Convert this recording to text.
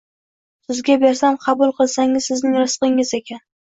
Sizga bersam, qabul qilsangiz, sizning rizqingiz ekan